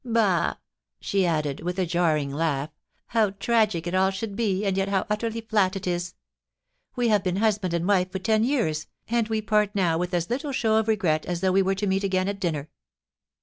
Bah !' she added, with a jarring laugh ;* how tragic it all should be, and yet how utterly fiat it is ! We have been husband and wife for ten years, and we part now with as little show of regret as though we were to meet again at dinner.